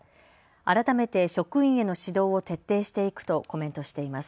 改めて職員への指導を徹底していくとコメントしています。